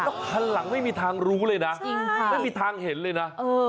แล้วคันหลังไม่มีทางรู้เลยนะจริงค่ะไม่มีทางเห็นเลยนะ